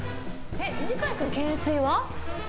犬飼君、懸垂は？